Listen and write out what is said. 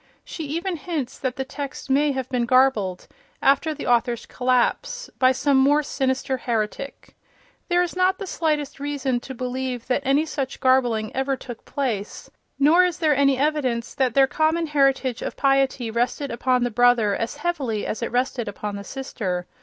She even hints that the text may have been garbled, after the author's collapse, by some more sinister heretic. There is not the slightest reason to believe that any such garbling ever took place, nor is there any evidence that their common heritage of piety rested upon the brother as heavily as it rested upon the sister.